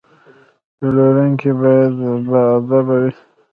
پلورونکی باید باادبه وي.